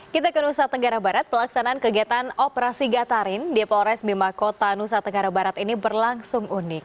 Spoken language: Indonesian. kita ke nusa tenggara barat pelaksanaan kegiatan operasi gatarin di polres bima kota nusa tenggara barat ini berlangsung unik